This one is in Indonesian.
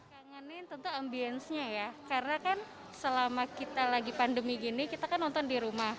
kangenin tentu ambience nya ya karena kan selama kita lagi pandemi gini kita kan nonton di rumah